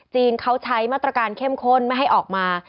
เขาใช้มาตรการเข้มข้นไม่ให้ออกมา